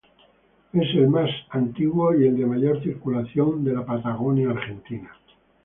Es el más antiguo y el de mayor circulación de la Patagonia Argentina.